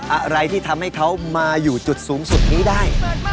อะไรที่ทำให้เขามาอยู่จุดสูงสุดนี้ได้